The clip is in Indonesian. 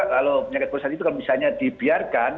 kalau penyakit perusahaan itu kalau misalnya dibiarkan